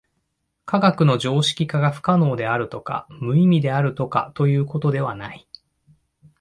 科学の常識化が不可能であるとか無意味であるとかということではない。